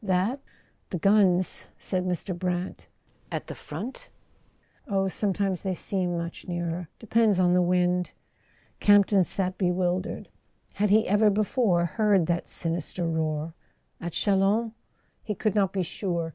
"That? The guns " said Mr. Brant. "At the front?" "Oh, sometimes they seem much nearer. Depends on the wind." Camp ton sat bewildered. Had he ever before heard that sinister roar? At Chalons? He could not be sure.